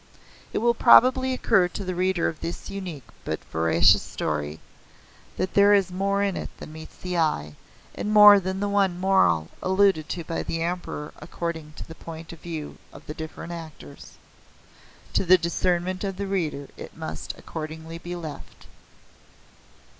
It will probably occur to the reader of this unique but veracious story that there is more in it than meets the eye, and more than the one moral alluded to by the Emperor according to the point of view of the different actors. To the discernment of the reader it must accordingly be left.